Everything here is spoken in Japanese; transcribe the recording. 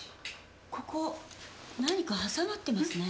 ここ何か挟まってますね。